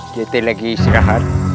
jadi lagi istirahat